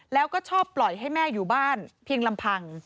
แล้วก็ชอบปล่อยให้แม่อยู่บ้านเพียงลำพัง